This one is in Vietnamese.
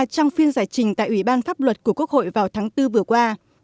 trong phiên giải trình tại ủy ban pháp luật của quốc hội vào tháng bốn vừa qua